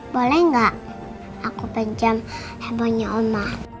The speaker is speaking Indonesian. boleh nggak aku penjam handphonenya om